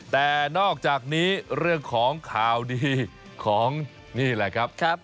แต่นอกจากนี้เรื่องของข่าวดีของนี่แหละครับ